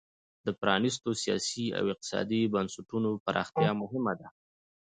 د پرانیستو سیاسي او اقتصادي بنسټونو پراختیا مهمه ده.